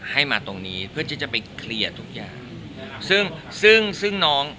ให้มาตรงนี้เพื่อจะไปเคลียร์ทุกอย่าง